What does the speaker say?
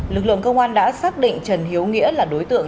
lực lượng công an đã xác định trần hiếu nghĩa là đối tượng